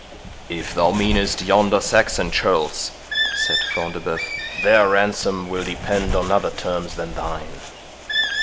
"If thou meanest yonder Saxon churls," said Front de Bœuf, "their ransom will depend upon other terms than thine.